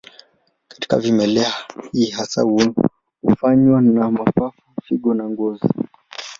Katika vimelea, hii hasa hufanywa na mapafu, figo na ngozi.